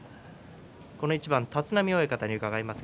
この一番、立浪親方に伺います。